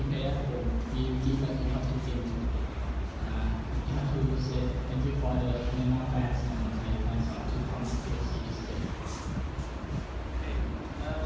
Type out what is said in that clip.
ความกระลักษณ์ชื่อผู้ชนมีวันใหม่และไทยนะครับ